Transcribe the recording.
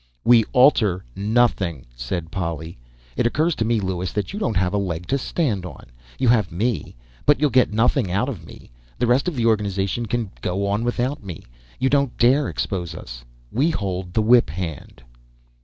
"We alter nothing," said Polly. "It occurs to me, Lewis, that you don't have a leg to stand on. You have me, but you'll get nothing out of me. The rest of the organization can go on without me. You don't dare expose us. We hold the whip hand!"